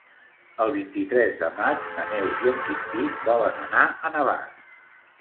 El vint-i-tres de maig na Neus i en Quintí volen anar a Navàs.